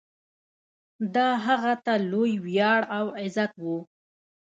دا هغه ته لوی ویاړ او عزت و.